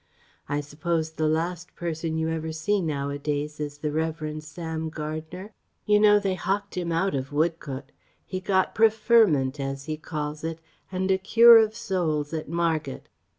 I suppose the last person you ever see nowadays is the Revd. Sam Gardner? You know they howked him out of Woodcote? He got "preferment" as he calls it, and a cure of souls at Margate.